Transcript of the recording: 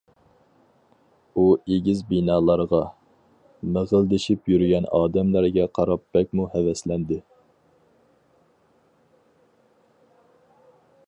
ئۇ ئېگىز بىنالارغا، مىغىلدىشىپ يۈرگەن ئادەملەرگە قاراپ بەكمۇ ھەۋەسلەندى.